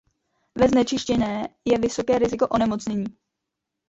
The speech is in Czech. Ve znečištěné je vysoké riziko onemocnění.